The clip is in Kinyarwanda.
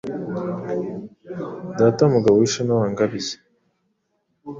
Data Mugabo w'ishema wangabiye